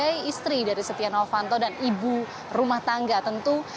sebagai istri dari setia novanto dan ibu rumah tangga tentu